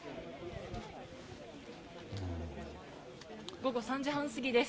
午後３時半過ぎです。